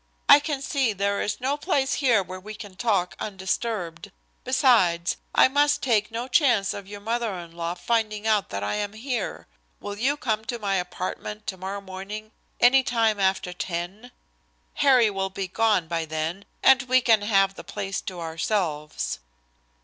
I can see there is no place here where we can talk undisturbed. Besides, I must take no chance of your mother in law's finding out that I am here. Will you come to my apartment tomorrow morning any time after 10? Harry will be gone by then, and we can have the place to ourselves."